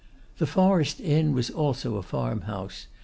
The forest inn was also a farmhouse.